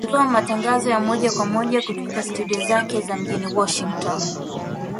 ilizindua matangazo ya moja kwa moja kutoka studio zake mjini Washington